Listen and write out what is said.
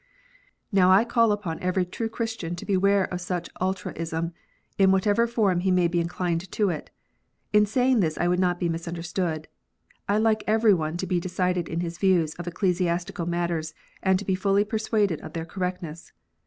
Xow I call upon every true Christian to beware of such ultraism, in whatever form he may be inclined to it. In saying this I would not be misunderstood. I like every one to be decided in his views of ecclesiastical matters, and to be fully persuaded of their correctness.